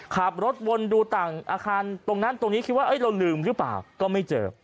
ขับรถวนดูต่างอาคารตรงนั้นตรงนี้คิดว่าเราลืมหรือเปล่าก็ไม่เจอ